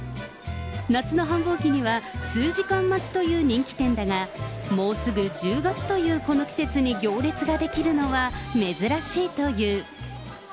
夏の繁忙期には数時間待ちという人気店だが、もうすぐ１０月というこの季節に行列が出来るのは珍しいという。